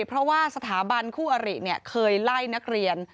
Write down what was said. เพราะว่าสถาบันคู่อริเคยไล่นักเรียน